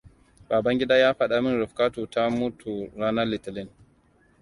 Babangida ya faɗa min Rifkatu ta mutu ranar Litinin.